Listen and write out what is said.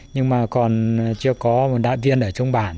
nhưng mà còn chưa có một đại viên ở trong bản